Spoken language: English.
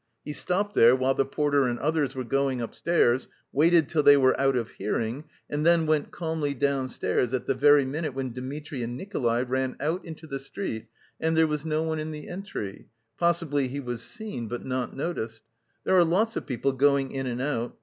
He stopped there while the porter and others were going upstairs, waited till they were out of hearing, and then went calmly downstairs at the very minute when Dmitri and Nikolay ran out into the street and there was no one in the entry; possibly he was seen, but not noticed. There are lots of people going in and out.